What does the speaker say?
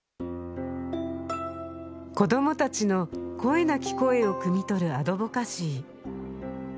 子どもたちの声なき声をくみ取るアドボカシー